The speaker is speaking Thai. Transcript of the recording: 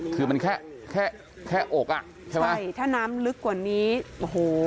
คือมันแค่แค่แค่แค่อกอ่ะใช่ไหมใช่ถ้าน้ำลึกกว่านี้โอ้โห